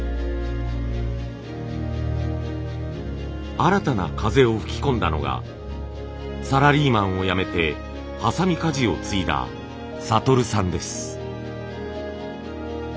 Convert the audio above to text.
新たな風を吹き込んだのがサラリーマンを辞めて鋏鍛冶を継いだ悟さんです。